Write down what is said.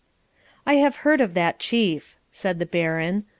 'I have heard of that chief,' said the Baron.